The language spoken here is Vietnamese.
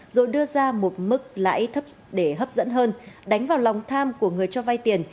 rồi đưa ra một mức lãi thấp để hấp dẫn hơn đánh vào lòng tham của người cho vay tiền